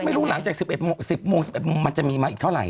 ก็ไม่รู้หลังจาก๑๐โมงมันจะมีมาอีกเท่าไหร่